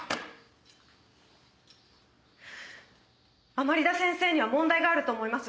甘利田先生には問題があると思います。